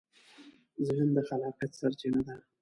ذهن د خلاقیت سرچینه ده.